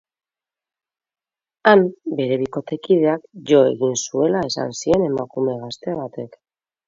Han, bere bikotekideak jo egin zuela esan zien emakume gazte batek.